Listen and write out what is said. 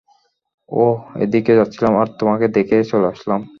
ওহ এদিক দিয়ে যাচ্ছিলাম আর তোমাকে দেখে চলে আসলাম।